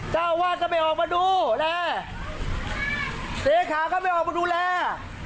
เจ้าวาดก็ไม่ออกมาดูแลเลขาก็ไม่ออกมาดูแล